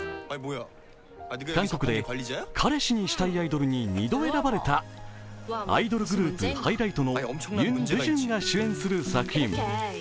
韓国で彼氏にしたいアイドルに２度選ばれたアイドルグループＨＩＧＨＬＩＧＨＴのユン・ドゥジュンが主演する作品。